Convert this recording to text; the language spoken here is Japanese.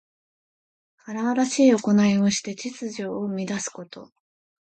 荒々しいおこないをして秩序を乱すこと。